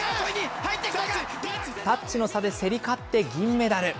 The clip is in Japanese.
タッチの差で競り勝って銀メダル。